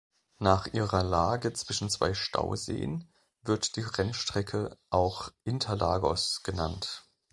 Nach ihrer Lage zwischen zwei Stauseen wird die Rennstrecke auch "Interlagos" genannt.